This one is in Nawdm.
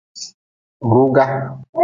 Ruga.